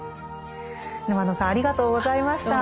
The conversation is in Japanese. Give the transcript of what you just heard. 沼野さんありがとうございました。